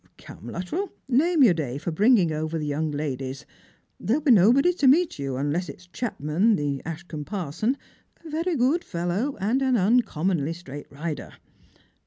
Come, Luttrell, name your day for bringing over the young ladies. There'll be nobody to meet yon, unless it's Chapman, the Ashcombe parson, a very good fellow, and an uncommonly straight rider.